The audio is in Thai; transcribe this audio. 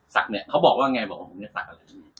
สักเนี่ยเขาบอกว่าไงบอกว่าผมจะสักอะไร